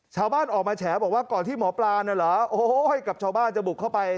ชาวบ้านออกมาแฉบอกว่าก่อนที่หมอปลาน่ะเหรอโอ้โหกับชาวบ้านจะบุกเข้าไป